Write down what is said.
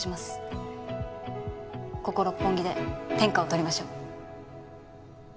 ここ六本木で天下を取りましょう。